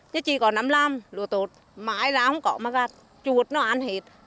chứ chỉ có nắm lam lùa tột mãi ra không có mà gạt chuột nó ăn hết